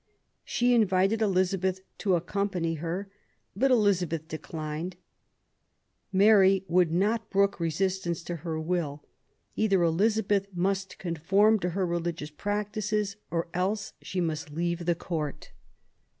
She invited Elizabeth to accompany her, but Elizabeth declined. Mary would not brook resistance to her will. Either Elizabeth must conform to her religious practices, or else must leave the Court.